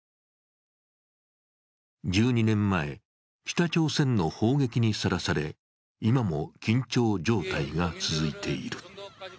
１２年前、北朝鮮の砲撃にさらされ、今も緊張状態が続いている。